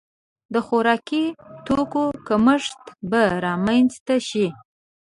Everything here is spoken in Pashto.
د خوراکي توکو کمښت به رامنځته شي.